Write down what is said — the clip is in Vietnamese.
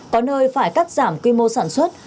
có nơi phải cắt giảm quy mô sản xuất